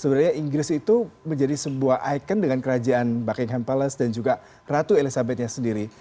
sebenarnya inggris itu menjadi sebuah ikon dengan kerajaan buckingham palace dan juga ratu elizabeth nya sendiri